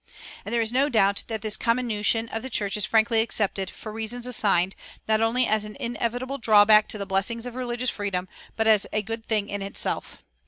And there is no doubt that this comminution of the church is frankly accepted, for reasons assigned, not only as an inevitable drawback to the blessings of religious freedom, but as a good thing in itself.